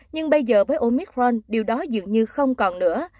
nhưng bây giờ với omicron điều đó dường như không còn nữa